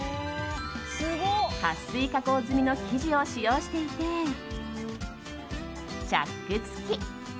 撥水加工済みの生地を使用していてチャック付き。